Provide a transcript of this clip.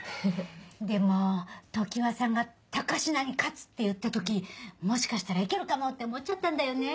でも常葉さんが「高階に勝つ」って言った時もしかしたらいけるかもって思っちゃったんだよね。